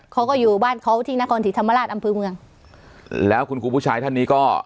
เขาก็อยู่บ้านเขาที่นครศรีธรรมราชอำเภอเมืองแล้วคุณครูผู้ชายท่านนี้ก็